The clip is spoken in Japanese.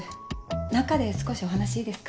中で少しお話いいですか？